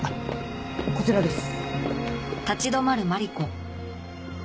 こちらです。